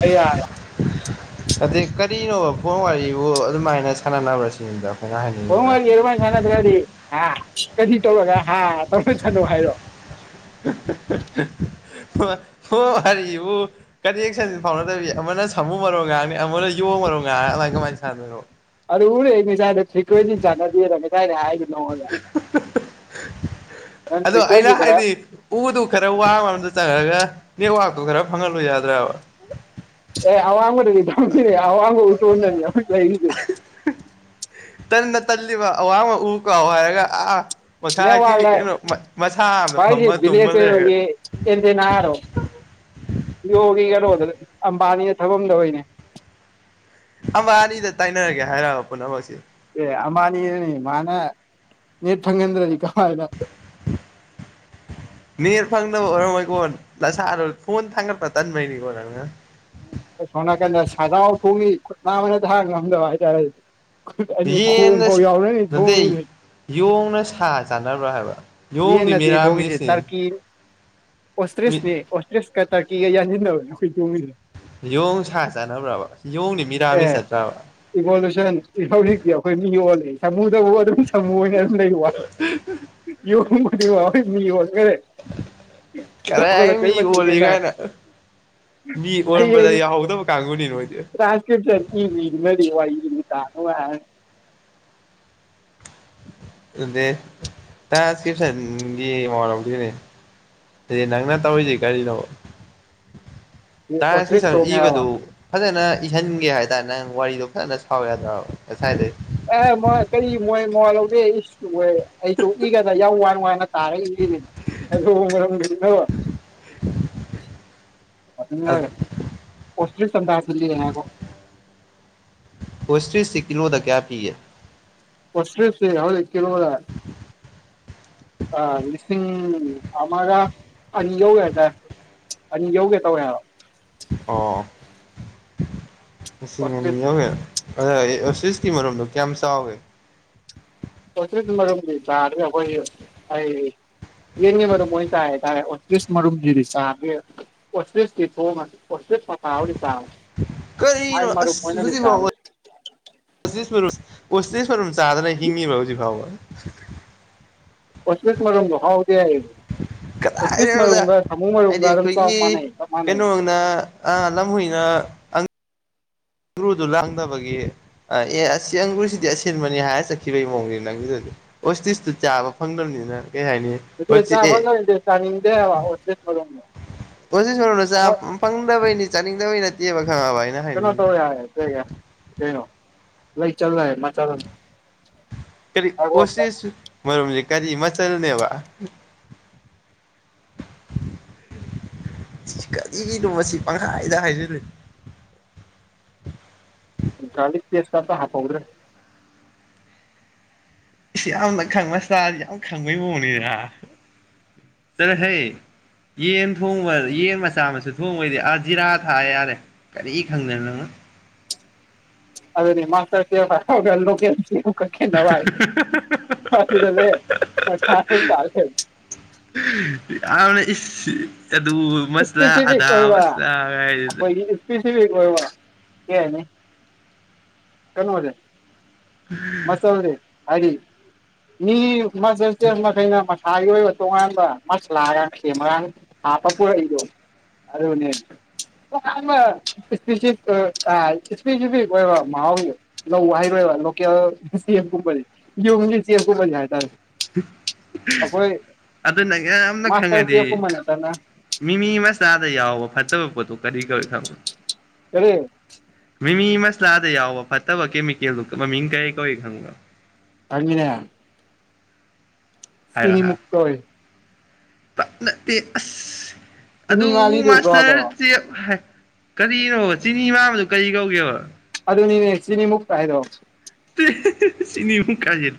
ꯑ ꯌꯥꯔ ꯑꯗꯩ ꯀꯔꯤꯅꯣꯕ ꯄꯣꯟ ꯋꯥꯔꯤꯕꯨ ꯑꯗꯨꯃꯥꯏꯅ ꯁꯥꯟꯅꯅꯕ꯭ꯔꯥ ꯁꯤꯗ ꯍꯃꯔ ꯏꯃ ꯑꯗꯨꯔꯤ ꯍꯥ ꯀꯔꯤ ꯇꯧꯔꯒ ꯍꯥ ꯇꯧꯔ ꯆꯠꯅꯣ ꯍꯥꯏꯔꯣ ꯎ [unintelligible] ꯑꯣ ꯍꯥꯏꯔꯤꯕꯨ ꯀꯅꯦꯛꯁꯟ ꯐꯥꯎꯅꯗꯕꯤ ꯑꯃꯅ ꯁꯥꯃꯨ ꯃꯔꯣꯏꯒꯥꯡꯅꯤ ꯑꯃꯅ ꯌꯣ ꯑꯣꯏ ꯃꯁꯔꯔꯣ [inaudible] ꯔꯦꯥꯏ ꯐꯤꯀꯗꯤ ꯆꯅ ꯆꯥꯏ ꯍꯥꯏ ꯅꯗ ꯑꯗꯣ ꯑꯩꯅ ꯍꯥꯏꯗꯤ ꯎꯗꯨ ꯈꯔ ꯋꯥꯕꯗ ꯆꯪꯒ ꯂꯦꯛꯋꯥꯛꯇꯨ ꯈꯔ ꯐꯪꯍꯜꯂꯨ ꯌꯥꯗ꯭ꯔꯕ ꯑꯦ ꯑꯋꯥꯒ ꯑꯣꯏ ꯇꯣꯅꯤ ꯀꯩ ꯇꯟꯅ ꯇꯜꯂꯤꯕ ꯑꯋꯥꯕ ꯎ ꯀꯥꯎ ꯍꯥꯏꯔꯒ ꯑꯥ ꯃꯈꯥꯒꯤ ꯅꯦꯠꯋꯥꯛꯂ ꯀꯩꯅꯣ ꯃꯁꯥ ꯑꯃꯗ ꯚꯥꯏꯁꯤ ꯐꯝꯃ ꯇꯨꯝꯃ ꯚꯤꯂꯦꯖ ꯂꯩꯔꯒ ꯍ ꯑꯣꯏꯕꯒꯤ [unintelligible] ꯌꯣꯒꯤ ꯀꯩꯅꯣꯗ ꯑꯝꯕꯥꯅꯤꯅ ꯊꯕꯗꯣꯏꯅꯦ ꯑꯃ ꯑꯅꯤꯗ ꯇꯥꯏꯅꯔꯒꯦ ꯍꯥꯏꯔꯛꯑꯔꯕ ꯄꯨꯝꯅꯃꯛꯁꯤꯦ ꯑꯦ ꯑꯃꯅꯤꯅꯤ ꯃꯥꯅ ꯅꯠ ꯐꯪꯗ꯭ꯔꯖꯤ ꯃꯤ ꯐ ꯑꯣꯏꯔꯝꯃꯣꯏ ꯀꯣꯟꯁꯔ ꯐꯣꯟ ꯊꯥꯡꯒꯠꯄ ꯇꯟꯕꯩꯅꯤ ꯑꯣꯏꯔꯅ ꯁꯣꯝ ꯅꯥꯀꯟꯗ ꯁꯖꯥꯎ ꯊꯣꯡꯉꯤ ꯈꯨꯠ ꯅꯥꯕꯅ ꯊꯥꯡ ꯉꯝꯗꯕ ꯍꯥꯏꯇꯥꯔꯦ ꯈꯨꯠ ꯑꯅꯤ ꯈꯣꯡ ꯌꯦꯟꯅ ꯐꯥꯎ ꯌꯥꯎꯔꯅꯤ ꯅꯠꯇꯦ ꯊꯣꯡꯉꯤꯅꯦꯣꯏ ꯌꯣꯡꯅ ꯁꯥ ꯆꯥꯅꯕ꯭ꯔꯥ ꯍꯥꯏꯕ ꯌꯦꯟ ꯌꯣꯡꯗꯤ ꯃꯤꯔꯥꯃꯤꯁꯅꯤ ꯑꯣꯁꯇꯔꯤꯁꯅꯦ ꯑꯣꯁꯇ꯭ꯔꯔꯤꯁ ꯀ ꯇ ꯀ ꯌꯥ ꯅꯣꯏ ꯇꯔ ꯌꯣꯡ ꯁꯥ ꯆꯥꯅꯕ꯭ꯔꯕ ꯌꯦꯣꯡꯗꯤ ꯃꯤꯔꯥ ꯃꯤ ꯑꯦ ꯆꯠꯇ꯭ꯔꯕ ꯏꯚꯣꯂꯨꯁꯟ ꯏꯍꯧꯔꯤ ꯑꯩꯈꯣꯏ ꯃꯤ ꯑꯣꯜꯂꯤ ꯑꯦ ꯁꯃꯨꯗꯕꯨ ꯑꯗꯨꯝ ꯁꯃꯨ ꯑꯣꯏꯅ ꯑꯗꯨꯝ ꯂꯩ ꯋꯥꯅꯤ ꯌ ꯈꯨꯗꯤꯡꯃꯛ ꯍꯣꯏ ꯃꯤ ꯑꯣꯏ ꯦ ꯀ ꯀꯔꯥꯏ ꯃꯤ ꯃꯆ ꯑꯣꯜꯂꯤ ꯀꯅ [unintelligible] ꯀꯥꯏꯅ ꯃꯤ ꯑꯩ ꯑ ꯑꯣꯟꯕꯗ ꯌꯥꯍꯧꯗꯕ ꯀꯥꯡꯕꯨꯅꯤ ꯅꯣꯏꯗꯤ ꯔꯥꯁꯀꯤ ꯆ ꯃꯗꯤ ꯋꯥꯏ ꯏ ꯀꯥꯔ ꯍꯥꯏ ꯑ ꯇꯁꯀꯤꯁꯒꯤ ꯃꯋꯥ ꯂꯧꯗꯦ ꯅꯅꯥꯪꯅ ꯇꯑꯣ ꯑꯣꯏꯁ ꯀꯔꯤꯅꯣ ꯂꯕ ꯇꯁꯤ ꯑꯣꯊ꯭ꯔꯤꯁ ꯇꯣꯡꯉꯦ ꯍꯥꯏꯕ ꯏꯕꯗꯨ ꯐꯖꯅ ꯏꯍꯟꯒꯦ ꯍꯥꯏꯇꯥꯔꯦ ꯅꯪ ꯋꯥꯔꯤꯗꯣ ꯐꯖꯅ ꯁꯥꯎꯋꯦꯗ ꯉꯁꯥꯏꯗꯩ ꯑꯦ ꯃꯣꯏ ꯀꯔꯤ ꯃꯣꯏ ꯃꯣꯉ ꯂꯧꯒꯦ ꯏꯁꯦ ꯑꯩꯁꯨ ꯏꯒꯗ ꯌꯥꯝ ꯋꯥꯅ ꯋꯥꯅ ꯀ ꯎꯔꯝ [unintelligible] ꯑꯣꯁꯔꯤꯗꯣ ꯄꯣꯁꯇꯔꯤꯁꯤ ꯀꯂꯣꯗ ꯀꯌꯥ ꯄꯤ ꯍꯁꯦꯁꯦ ꯍꯧ ꯀꯂꯣꯗ ꯑ ꯂꯤꯁꯤꯡ ꯑꯔ ꯑ ꯌꯎ ꯌꯥ ꯍꯥꯏꯇꯥ ꯌꯎꯒꯦ ꯇꯧꯌꯦ ꯑ ꯃꯅꯤ ꯑꯣꯁꯇ꯭ꯔꯤꯁꯇꯤ ꯌꯥꯒꯦ ꯑ ꯁꯤꯁꯀꯤ ꯃꯔꯣꯗꯣ ꯀꯌꯥꯝ ꯆꯥꯎꯏꯦ ꯀ ꯔꯈꯣꯏ ꯑꯩ ꯌꯦꯟꯉ ꯃꯔꯝ ꯃꯣꯏ ꯆꯥꯏꯇꯥꯔꯦ ꯑꯣꯇ꯭ꯔꯤꯁ ꯃꯔꯨꯝꯁꯤꯗꯤ ꯆꯥ ꯑꯣꯇ꯭ꯔꯤꯁꯇꯤ ꯊꯣꯡꯉ ꯄꯣꯦ ꯄꯊꯥ ꯍꯧꯗꯤ ꯆꯥꯦ ꯃꯥꯏ ꯀꯔꯤꯅꯣ ꯃꯔꯨꯞ ꯑꯣꯏꯅꯅꯗꯤ ꯆꯥꯗ꯭ꯔꯦ ꯄꯤꯁ ꯃꯔꯨꯝ ꯄꯇꯤꯁ ꯃꯔꯨꯝ ꯆꯥꯗꯅ ꯍꯤꯡꯉꯤꯕ ꯍꯧꯖꯤꯛ ꯐꯥꯎꯕ ꯍꯁꯁ ꯃꯔꯣ ꯍꯥꯎꯗꯦ ꯑꯣꯁꯁ ꯃꯔ ꯀꯗꯥꯏꯗꯩꯅꯣꯗ ꯎ ꯁꯃꯨ ꯃ ꯎ ꯍꯥꯏꯗꯤ ꯆ ꯑꯩꯈꯣꯏꯒꯤ ꯃꯥꯅꯦ ꯃꯥꯅꯦ ꯀꯩꯅꯣꯅ ꯑꯥ ꯂꯝꯍꯨꯏꯅ ꯑꯪꯒ꯭ꯔꯨꯗꯨ ꯂꯥꯡꯗꯕꯒꯤ ꯑꯦ ꯑꯁꯤ ꯑꯪꯒ꯭ꯔꯨꯁꯤꯗꯤ ꯑꯁꯤꯟꯕꯅꯤ ꯍꯥꯏꯔ ꯆꯠꯈꯤꯕꯒꯤ ꯃꯑꯣꯡꯅꯤ ꯅꯪꯒꯤꯗꯗꯤ ꯑꯣꯁꯇꯤꯤꯁꯇ ꯆꯥꯕ ꯐꯪꯗꯕꯅꯤꯅ ꯀꯩ ꯍꯥꯏꯅꯤ ꯑꯗꯨ ꯑꯣꯁꯇꯤ ꯆꯕꯒꯦ ꯆꯗꯦꯦ ꯑꯣ ꯁꯣꯏꯅꯨꯅ ꯆ ꯐꯪꯗꯕꯩꯅꯤ ꯆꯥꯅꯤꯡꯗꯕꯩ ꯅꯠꯇꯦꯕ ꯈꯪꯉꯕ ꯑꯩꯅ ꯀꯩꯅꯣ ꯇꯧ ꯍꯥꯏꯅꯤꯡꯉꯤꯁꯦ ꯌꯥ ꯀ ꯀꯩꯅꯣ ꯂ ꯆꯜꯂ ꯃꯥ ꯆ ꯀꯔꯤ ꯑꯣꯁꯤꯁꯨ ꯃꯔꯝꯁꯦ ꯀꯔꯤ ꯃꯆꯜꯅꯦꯕ [unintelligible] ꯀꯔꯤꯒꯤꯅꯣ ꯃꯁꯤ ꯄꯪꯈꯥꯏꯗ ꯍꯥꯏꯖꯤꯜꯂꯤ [inaudible] ꯂꯤ ꯄꯦꯁꯇ ꯍꯥꯄꯗ꯭ꯔꯦ ꯌꯥꯝꯅ ꯈꯪꯕ ꯁꯇꯥꯗꯤ ꯌꯥꯝ ꯈꯪꯕꯩ ꯃꯑꯣꯅꯤꯗ ꯆꯂꯦ ꯍꯦ ꯌꯦꯟ ꯊꯣꯡꯕ ꯌꯦꯟ ꯃꯆꯥ ꯃꯁꯨ ꯊꯣꯡꯕꯩꯗꯤ ꯑꯥ ꯖꯤꯔꯥ ꯊꯥꯑ ꯌꯥꯔꯦ ꯀꯔꯤ ꯈꯪꯗꯅꯣ ꯅꯪꯅꯣ [inaudible] ꯑꯗꯨꯗꯅꯤ ꯃꯥꯇꯕ꯭ꯔꯣ ꯀ ꯀꯛꯦ ꯅꯕꯥꯏ ꯐꯗ ꯂꯩꯦ ꯃ ꯊꯥ ꯆꯥꯔꯁ ꯑ ꯑꯗꯨ ꯃꯁꯂꯥ ꯏꯁꯄꯦꯁꯤꯐꯤꯛ ꯑꯗꯥ ꯃꯁꯂꯥ ꯀꯗ ꯁꯤ ꯀꯅꯦ ꯀꯟꯋꯥꯗꯦ ꯃꯁꯦ ꯍꯥꯏꯗꯤ ꯃꯥꯖꯦꯜꯁ ꯀꯩꯅ ꯃꯥ ꯊꯥꯒꯤ ꯑꯣꯏꯕ ꯇꯣꯉꯥꯟꯕ ꯃꯁꯂꯥꯒ ꯁꯦꯝꯃꯒꯥꯡ ꯍꯥꯞꯄ ꯄꯨꯔꯛꯏꯗꯣ ꯑꯗꯅꯦꯠ ꯏꯁꯄꯦꯁꯤꯐꯤꯛ ꯑꯣꯏꯕ ꯃꯍꯥꯎꯒꯤ ꯂꯧ ꯍꯥꯏꯩꯔꯣꯏꯕ ꯌꯥ ꯁꯤꯦꯝ ꯌ ꯁꯤꯦꯝ ꯀꯜ ꯌꯥꯗ ꯑꯗꯨꯅ ꯌꯥꯝꯅ ꯃꯥꯁꯇꯔ ꯈꯪꯉꯗꯤ ꯀꯦꯞꯀꯨꯝꯕ ꯅꯠꯇꯅ ꯃꯤ ꯃꯤ ꯃꯁ ꯇꯥꯗ ꯌꯥꯎꯑꯣꯣꯕꯣ ꯐꯠꯇꯕ ꯄꯣꯠꯇꯣ ꯀꯔꯤ ꯀꯔꯤ ꯈꯔ ꯀꯔꯤ ꯃꯤ ꯃꯁꯂꯥꯗ ꯌꯥꯎꯕ ꯐꯠꯇꯕ ꯀꯃꯤ ꯀ ꯂ ꯃꯤ ꯀꯦ ꯀꯧꯏ ꯈꯪꯕ ꯑꯉꯅꯦ ꯍꯥꯏꯔꯣ ꯍꯥꯏꯔꯣ ꯁꯤꯅꯤꯃꯨꯀ ꯑꯣꯏꯣꯏ ꯅꯠꯇꯦ ꯑꯁ ꯆꯤꯅꯤ ꯑꯗꯨ ꯃꯥꯜꯂꯤꯗꯨꯗ꯭ꯔꯣ ꯑꯗꯣ ꯃꯥꯁꯇꯔꯁꯦ ꯀꯔꯤꯅꯣꯕ ꯆꯤꯅꯤ ꯃꯝꯕꯗꯨ ꯀꯔꯤ ꯀꯧꯒꯦꯕ ꯁꯤꯅꯤꯃꯨꯛꯇ ꯍꯥꯏꯗꯣ ꯁꯤꯅꯤꯃꯨꯛ ꯀꯖꯤ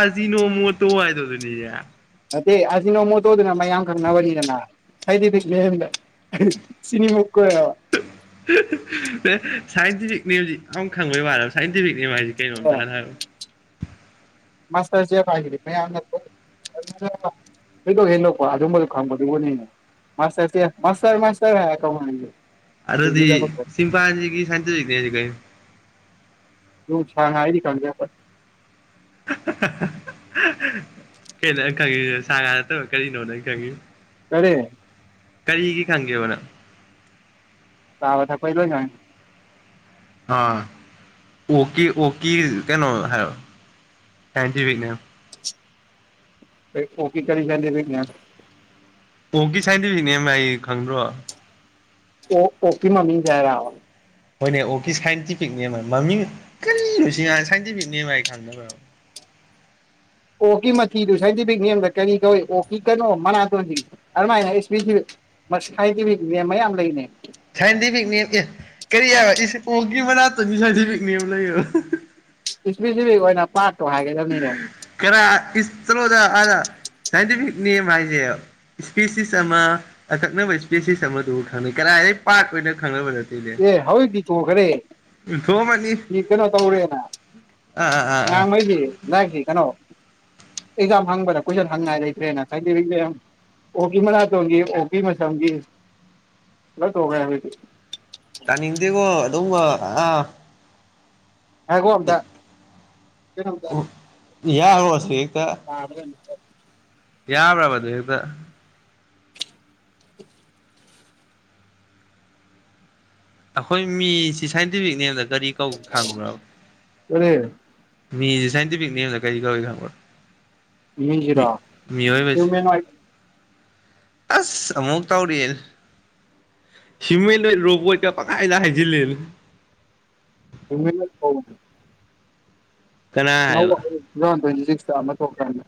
ꯑꯁꯤ ꯅꯣꯡ ꯃꯣꯠꯇꯣ ꯍꯥꯏꯗꯣ ꯑꯗꯨꯅꯦꯦ ꯅꯦ ꯑꯁꯤ ꯅꯣꯡꯃ ꯇꯧꯗꯅ ꯃꯌꯥꯝ ꯈꯪꯅꯕꯅꯤꯗꯅ ꯍꯥꯏꯗꯤ ꯁꯤ ꯁꯥꯏꯟꯇꯤꯐꯤꯛꯅꯦ ꯍꯧꯖꯤꯛ ꯑꯃ ꯈꯪꯕꯩ ꯋꯥ ꯁꯥꯏꯟꯇꯤꯐꯤꯛ ꯍꯥꯏꯁꯤ ꯀꯩ ꯅꯣ ꯇꯔ ꯃꯥꯁꯔꯖꯦꯞ ꯍꯥꯏ ꯍꯗꯣꯛ ꯍꯂꯀꯣ ꯑꯗꯨꯝꯕ ꯈꯪꯝꯕꯗꯤꯕꯨꯅꯤꯁꯇꯔꯁꯔ ꯃꯥꯁꯔ ꯀ ꯑꯗꯗꯤ ꯆꯤꯝꯄꯥꯟꯖꯤꯒꯤ ꯁꯥꯟꯇꯤꯐꯤꯛ ꯅꯦꯝꯖꯤ ꯀꯩꯅ ꯍ ꯁꯥꯡ ꯍꯥꯏꯗꯤ ꯀꯒꯦꯄꯔ ꯀꯂ ꯈꯪꯒꯤꯁꯤ ꯁꯥꯒꯥ ꯅꯠꯇꯕ ꯀꯔꯤꯅꯣ ꯅꯪ ꯈꯪꯉꯌꯨ ꯐꯔꯦ ꯀꯔꯤꯒꯤ ꯈꯪꯒꯦꯕꯅ ꯊ ꯄꯩꯗ ꯌꯥ ꯑꯥ ꯑꯣꯀꯤ ꯑꯣꯀꯤ ꯀꯩꯅꯣ ꯍꯥꯏꯔ ꯊꯇꯕꯤꯅ ꯐ ꯑꯣꯀꯤ ꯀꯔꯤ ꯂꯗ ꯐ ꯑꯣꯒꯤ ꯁꯥꯏꯗꯕꯤꯅꯦ ꯑꯩ ꯈꯪꯗ꯭ꯔꯣ ꯑꯣ ꯑꯣꯄꯤ ꯃꯃꯤ ꯀꯔ ꯍꯣꯏꯅꯦ ꯑꯣꯀꯤ ꯁꯥꯏꯟꯇꯤꯐꯤꯛ ꯅꯦꯝ ꯍꯥꯏ ꯃꯃꯤꯡ ꯀꯔꯤꯅꯣꯁꯤ ꯁꯥꯏꯟꯇꯤꯐꯤꯛ ꯅꯦꯝ ꯍꯥꯏ ꯈꯪꯗꯕ꯭ꯔ ꯑꯣꯀꯤ ꯃꯊꯤꯗꯨ ꯁꯥꯏꯟꯇꯤꯐꯤꯛ ꯅꯦꯝꯗ ꯀꯔꯤ ꯀꯧꯏ ꯑꯣꯀꯤ ꯀꯅꯣ ꯃꯅꯥꯇꯣꯟꯁꯤ ꯑꯗꯨꯃꯥꯏꯅ ꯏꯁ ꯃꯁ ꯈꯥꯏꯗꯦ ꯃ ꯃꯌꯥꯝꯝ ꯂꯅꯦ ꯁꯥꯏꯟꯗꯤ ꯄꯤꯛꯅꯦ ꯑꯦ ꯀꯔꯤ ꯍꯥꯏ ꯏ ꯄꯒꯤ ꯃꯅꯥꯛꯇꯅꯤ ꯁꯥꯏꯗꯤ ꯄꯤꯛꯅꯦ ꯑꯃ ꯂꯩꯕ ꯏꯁꯄꯤꯁꯤꯐꯛ ꯑꯣꯏꯅ ꯄꯥꯔꯠꯇꯣ ꯍꯥꯏꯒꯗꯕꯅꯤꯅꯦ ꯆꯂꯑꯣꯗ ꯑꯗ ꯁꯥꯏꯟꯇꯤꯐꯤꯛ ꯅꯦꯝ ꯍꯥꯏꯁꯦ ꯏꯁꯄꯦꯁꯤꯁ ꯑꯃ ꯑꯀꯛꯅꯕ ꯏꯁꯄꯦꯁꯤꯁ ꯑꯃꯗꯨ ꯈꯪꯅꯩ ꯀ ꯄꯥꯛ ꯑꯣꯏꯅ ꯈꯪꯕ ꯅꯠꯇꯦ ꯑꯦ ꯍꯧꯖꯤꯛꯇꯤ ꯇꯣꯈ꯭ꯔꯦ ꯁꯤ ꯀꯩꯅꯣ ꯇꯧꯔꯦꯅ ꯎ ꯎ ꯎꯝ ꯎꯝ ꯂꯁꯤ ꯀꯩꯅꯣ [inaudible] ꯑꯦꯛꯖꯥꯝ ꯍꯪꯕꯔꯦ ꯀꯣꯏꯟ ꯍꯪꯉ ꯍꯥꯏꯔ꯭ꯔꯦ ꯑꯣꯀꯤ ꯃꯅꯥ ꯇꯣꯒ ꯑꯣꯀꯤ ꯃꯁꯝꯒꯤ ꯣꯒ ꯇꯅꯤ ꯏꯗꯤꯦꯒꯣ ꯑꯗꯨꯗꯕꯣ ꯑ ꯍꯒ ꯋꯥꯗ ꯌꯥ ꯍꯁꯦ ꯌꯦꯛꯇ ꯇꯥꯕ꯭ꯔ ꯌꯥꯕ꯭ꯔꯕꯗꯨꯛꯇ [inaudible] ꯑꯩꯈꯣꯏ ꯃꯤꯁꯤ ꯁꯥꯏꯟꯇꯤꯐꯤꯛ ꯅꯦꯝꯗ ꯀꯔꯤꯧ ꯈꯪꯕ꯭ꯔꯕ ꯑꯅꯦ ꯃꯤ ꯁꯥꯏꯟꯇꯤꯐꯛ ꯅꯦꯝꯁꯦ ꯀꯥꯏꯒꯤ ꯀꯕꯨ ꯈꯝꯕ ꯃꯤ ꯀꯔꯤ ꯃꯑꯣꯣꯏ ꯍ꯭ꯌꯨꯃꯦꯅꯣꯏꯠ ꯑꯁ ꯑꯃꯨꯛ ꯇꯧꯔꯤꯌꯦ ꯁꯤꯃꯦ ꯂꯣꯏ ꯔꯣꯕꯣ ꯀ ꯄꯥꯏꯗ ꯍꯥꯏꯥꯏꯁꯤꯂ ꯏ ꯀꯅꯥ ꯑꯅꯧꯕ ꯍꯥꯏꯕ ꯇꯨ ꯊꯥꯎꯟ ꯇ꯭ꯋꯦꯟꯇꯤ ꯁꯤꯛꯁꯇ ꯑꯃ ꯊꯣꯛꯈ꯭ꯔꯅꯦ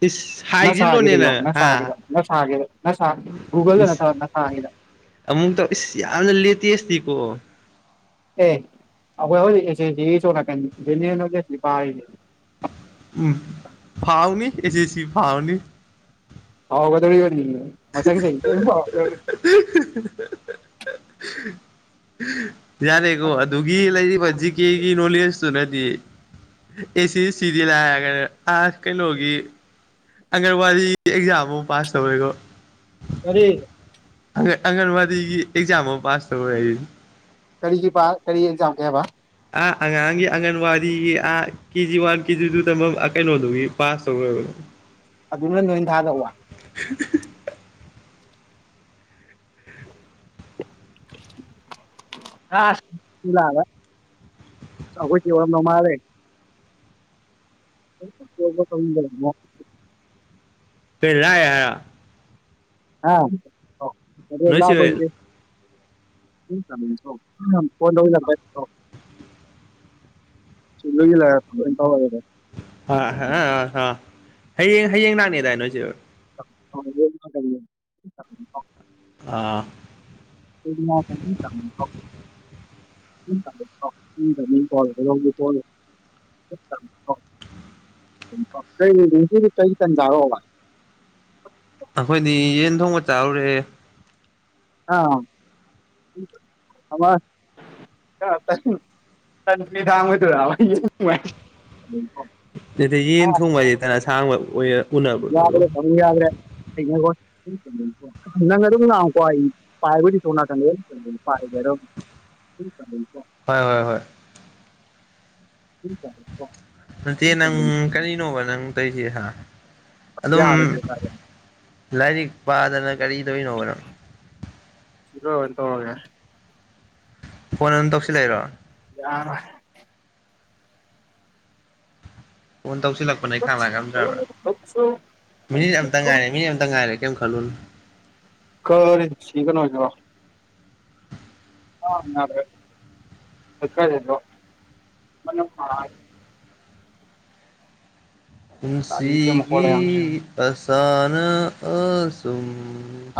ꯏꯁ ꯅ ꯁꯥꯒꯤꯗ ꯍꯥꯏꯖꯤꯜꯂꯣꯅꯦꯅ ꯌꯣ ꯅ ꯍꯥ ꯁꯥꯒꯦꯗ ꯁꯥꯒꯦꯨꯒꯜꯗ ꯁꯥꯗ ꯑꯃꯨꯛꯛꯇ ꯏꯁ ꯌꯥꯝꯅ ꯂꯦꯇꯁꯇꯀꯣ ꯑꯦ ꯑꯩꯈꯣꯏ ꯍꯧꯖꯤꯛꯀ ꯎꯝ ꯐꯥꯎꯥꯎꯅꯤ ꯑꯦꯁꯤ ꯑꯦꯁꯤ ꯐꯥꯎꯥꯎꯅꯤ ꯍꯥꯎꯒꯗꯧ ꯃꯊꯒꯤ ꯆ ꯌꯥꯔꯦꯀꯣ ꯑꯁ ꯑꯗꯨꯒꯤ ꯂꯩꯔꯤꯕ ꯖꯤ ꯀꯦꯒꯤ ꯅꯣꯂꯦꯖ ꯅꯗꯤ ꯑꯦꯁꯤ ꯁꯤꯗꯤꯤ ꯂꯒꯩꯅ ꯑ ꯀꯩꯅꯣꯒꯤ ꯑꯪꯒꯟꯋꯥꯗꯤ ꯑꯦꯛꯖꯥꯝ ꯑꯃ ꯄꯥꯁ ꯇꯧꯔꯦꯀꯣ ꯀꯔꯤ ꯑ ꯑꯪꯒꯟꯋꯥꯗꯤꯒꯤ ꯑꯦꯛꯖꯥꯝ ꯑꯃ ꯄꯥꯁ ꯇꯧꯔꯦ ꯑꯩ ꯀꯔꯤꯒꯤ ꯄ ꯀꯔꯤ ꯑꯦꯛꯖꯥꯝ ꯀ ꯍꯥꯏꯦꯕ ꯑꯥ ꯑꯉꯥꯡꯒꯤ ꯑꯪꯒꯟꯋꯥꯗꯤꯒꯤ ꯑꯥ ꯀꯦꯖꯤ ꯋꯥꯟ ꯀꯦꯖꯤ ꯇꯨ ꯇ ꯀꯩꯅꯣꯗꯨꯒꯤ ꯄꯥꯁ ꯇꯧꯔꯣꯏꯕ ꯑꯗꯨꯅ ꯅꫭꯏꯟ ꯊꯥꯗꯧꯕ꯫ ꯫ ꯑꯁ ꯊꯤꯜꯂꯔꫭꯏ꯫ ꯑꯈꫭꯏ ꯆ‌ꯦ ꯑꫭꯏꯔꯝꯗꯧ ꯃꯥꯜꯂꯤ꯫ [unintelligible] [unintelligible] [unintelligible] ꯅꯣꯏ ꯆꯦ ꯍꯣꯏ ꯐꫭꯟ ꯇꯧꯖꯤꯟꯂꯛꯄꯩ꯫ ꯁꯤ ꯂꫭꯏꯖꯤꯟꯂꯒ ꯑꫭꯏꯟ ꯊꯧꯔꯒ‌ꯦꯗ꯫ ꯑ ꯍꯌꯦꯡ ꯍꯌꯦꯡ ꯂꯥꯛꯅꯦꯗꯥꯏ ꯅꯣꯏꯆ‌ꯦ ꯍꫭꯏ꯫ [unintelligible] ꯑꯥ꯫ [unintelligible] ꯐꫭꯟꯅꯤ꯫ ꯫ [unintelligible] ꯉꯁꯤꯗꯤ ꯀꯩ ꯇꯟ ꯆꯥꯔꫭꯕ꯫ ꯑꯈꯣꯏꯗꯤ ꯌꯦꯟ ꯊꯣꯡꯕ ꯆꯥꯎꯔꯦ꯫ ꯑꯥ ꯑꯃ꯫ ꯀꯥ ꯇꯟꯅꯨ ꯅ ꯅꯨꯃꯤꯗꯥꯡ ꯑꫭꯏꯗꫭꯏꯔꯕ ꯌ‌ꯦꯟ ꯊꫭꯡꯕ ꯍꯥꯏꯁꯤ꯫ ꯇ‌ꯦ ꯇ‌ꯦ ꯌꯦꯟ ꯊꫭꯡꯕ ꯍꯥꯏꯁ‌ꯦ ꯇꯟꯑꯁꯥꯡꯕ꯫ ꯌꯥꯗ꯭ꯔ‌ꯦ ꯇꯥꯃꫭ ꯌꯥꯗ꯭ꯔ‌ꯦ ꯑꯩꯒꯤ ꯑꫭꯏ꯫ ꯅꯪ ꯑꯗꯨꯝ ꯉꯥꯡꯉꯨꯀꫭ ꯄꯥꯏꯕꯕꯨꯗꯤ ꯁꫭꯝꯅꯀꯟꯗ ꯄꯥꯏꯒ‌ꯦ ꯑꯗꯨꯝ꯫ ꯫ ꯍꯣꯏ ꯍꯣꯏ ꯍꯣꯏ꯫ ꯫ ꯅꯠꯇꯦ ꯅꯪ ꯀꯔꯤꯅꯣꯕ ꯅꯪ ꯇꯧꯁꯦ ꯍꯥ ꯑꯗꯨꯝ꯫ ꯂꯥꯏꯔꯤꯛ ꯄꯥꯗꯅ ꯀꯔꯤ ꯇꫭꯏꯅꫭꯕ ꯅꯪ ꯫ ꯁꯤꯂꫭꯏꯔ ꯑꫭꯟꯇꯧꯔꯒ‌ꯦ ꯌꯥꯏ꯫ ꯐꯣꯟ ꯑꯗꯨꯝ ꯇꯧꯁꯤꯟ ꯂꯩꯔꯣ꯫ ꯌꯥꯔꫭꯏ꯫ ꯀꫭꯟ ꯇꯧꯁꯤ꯫ ꯖꯥꯜꯂꯛꯄꯅ ꯈꯥꯡꯂꯥꯛ ꯉꯝꯗ꯭ꯔꯥꯕ ꯃꯤꯅꯤꯠ ꯑꯃꯇ ꯉꯥꯏꯔꯦ ꯃꯤꯅꯤꯠ ꯑꯃ ꯉꯥꯏꯔꯦ ꯀꯩꯝꯈꯜ꯫ ꯈꯜꯂꯨꯟ꯫ ꯀꯔꯤꯟ ꯁꯤꯀꯩꯅꫭꯁꯤꯕꫭ꯫ [unintelligible] ꯇꯥꯅꯤꯡꯗꯦ ꯃꯈꯣꯜ ꯄꯨꯟꯁꯤꯒꯤ ꯃꯌꯥꯝ ꯑꯁꯥꯅ ꯑꯁꯨꯝ꯫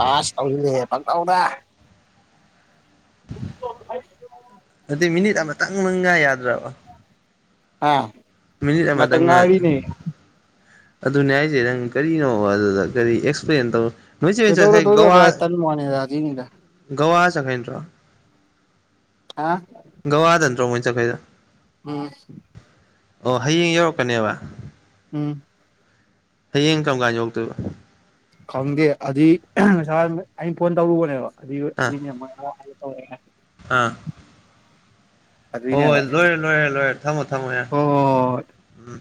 ꯑꯁ ꯇꯧꯖꯤꯟ ꯂꯛꯑꯦ ꯄꯪꯇꯧꯗ꯫ ꯫ ꯑꯃ ꯇꯪꯗꯪ ꯉꯥꯏ ꯌꯥꯗ꯭ꯔꯥꯕ꯫ ꯑꯥ ꯉꯥꯏ ꯃꯇꯝꯉꯥꯏꯔꯤꯅ‌ꯦ꯫ ꯑꯗꯨꯅꯦ ꯍꯥꯏꯁꯦ ꯅꯪ ꯀꯔꯤꯅꯣ ꯑꯗꯨꯗ ꯀꯔꯤ ꯑꯦꯛꯁꯄ꯭ꯂꯦꯟ ꯇꯧ꯫ ꯅꯣꯏꯆ‌ꯦ ꯍꫭꯏ ꯀꯣꯏꯗꯧꯗ ꯆꯠꯈꯩ ꯒꯋꯥ ꯇꯧꯖꯕ꯭ꯔꯥ ꯍꯥꯏ ꯇꯟꯕ ꯋꯥꯅꯤꯗ ꯑꯗꯨꯏꯅꯤꯗ ꯒꯋꯥ ꯆꯠꯈꯩ ꯅꯠꯇ꯭ꯔꯣ꯫ ꯍ꯫ ꯒꯋꯥꯗ ꯅꯠꯇ꯭ꯔꫭ ꯃꫭꯏꯟ ꯆꯠꯈ꯭ꯔꯤꯗꫭ꯫ ꯎꯝ꯫ ꯑꯣ ꯍꯌꯦꯡ ꯌꯧꯔꯛꯀꯅꯦꯕ꯫ ꯎꯝ꯫ ꯍꯌꯦꯡ ꯀꯝꯀꯥꯟ ꯌꯧꯛꯔꯛꯇꯣꯏꯕ꯫ ꯈꯪꯗꯦ ꯑꯗꯨꯏ ꯉꯁꯥꯏꯋꯥꯏ ꯑꯩꯟ ꯐꯣꯟ ꯇꯧꯔꯨꯕꯅꯦꯕ꯫ ꯑꯗꯨꯏ ꯑꯥ ꯑꯗꯨꯏꯅ‌ꯦ ꯃꫭꯏꯟ ꯍꯜꯂ ꯍꯜꯂ ꯇꯧꯔꯛꯏꯔꯥꯏ꯫ ꯍꯣꯏꯣꯏ ꯂꯣꯏꯔꯦ ꯂꯣꯏꯔꯦ ꯂꯣꯏꯔꯦ ꯊꯝꯃꯣ ꯊꯝꯃꯣ ꯌꯥ ꯍꯣ ꯍꯣ ꯍꯣ ꯎꯝ